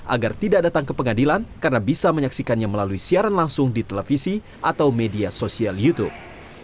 agar tidak datang ke pengadilan karena bisa menyaksikannya melalui siaran langsung di televisi atau media sosial youtube